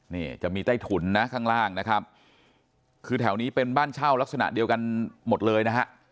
นี่จะมีใต้ถุนนะข้างล่างนะครับคือแถวนี้เป็นบ้านเช่าลักษณะเดียวกันหมดเลยนะฮะ